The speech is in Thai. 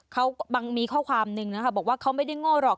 เขามีข้อความหนึ่งนะคะบอกว่าเขาไม่ได้โง่หรอก